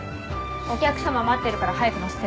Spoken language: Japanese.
お客様待ってるから早く載せて。